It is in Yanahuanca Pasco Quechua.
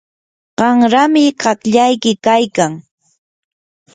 qanrami qaqllayki kaykan.